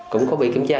cũng có bị cái bóng đá